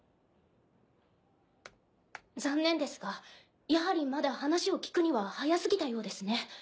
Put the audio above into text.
残念ですがやはりまだ話を聞くには早すぎたようですね。